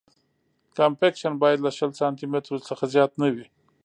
کمپکشن باید له شل سانتي مترو څخه زیات نه وي